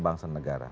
bangsa dan negara